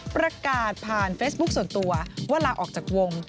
ประกาศผ่านเฟซบุ๊คส่วนตัวว่าลาออกจากวง